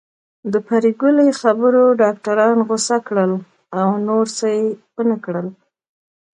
د پري ګلې خبرو ډاکټران غوسه کړل او نور څه يې ونکړل